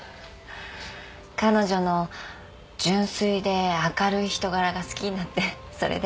彼女の純粋で明るい人柄が好きになってそれで。